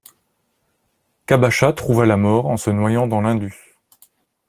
Qabacha trouve la mort en se noyant dans l'Indus.